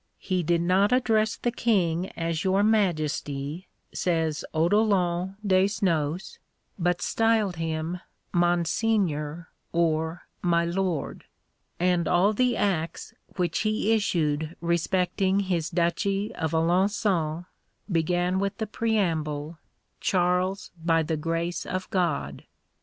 He did not address the King as "Your Majesty," says Odolant Desnos, but styled him "Monseigneur" or "My Lord," and all the acts which he issued respecting his duchy of Alençon began with the preamble, "Charles, by the grace of God."